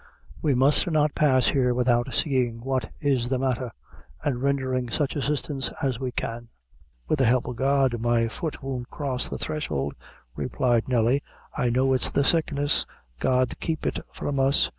We must not pass here without seeing what is the matther, and rendering such assistance as we can." "Wid the help o' God, my foot won't cross the threshel," replied Nelly "I know it's the sickness God keep it from us!